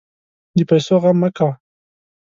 د پیسو غم مه کوه.